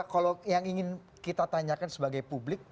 kalau yang ingin kita tanyakan sebagai publik